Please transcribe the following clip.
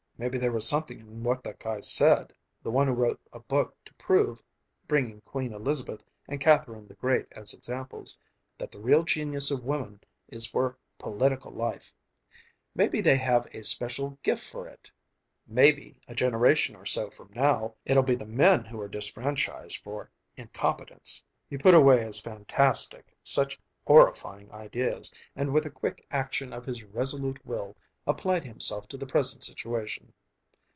Maybe there was something in what that guy said, the one who wrote a book to prove (bringing Queen Elizabeth and Catherine the Great as examples) that the real genius of women is for political life. Maybe they have a special gift for it! Maybe, a generation or so from now, it'll be the men who are disfranchised for incompetence.... He put away as fantastic such horrifying ideas, and with a quick action of his resolute will applied himself to the present situation.